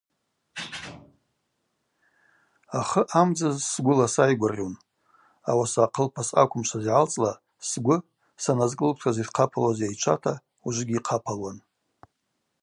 Ахы ъамдзыз сгвыла сайгвыргъьун, ауаса ахъылпа съаквымшваз йгӏалцӏла сгвы саназкӏылпшуаз йшхъапалуаз йайчвата ужвыгьи йхъапалуан.